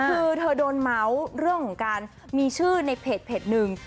คือเธอโดนเมาส์เรื่องของการมีชื่อในเพจหนึ่ง